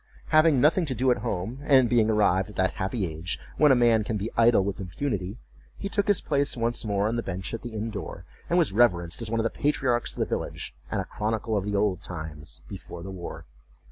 Having nothing to do at home, and being arrived at that happy age when a man can be idle with impunity, he took his place once more on the bench at the inn door, and was reverenced as one of the patriarchs of the village, and a chronicle of the old times "before the war."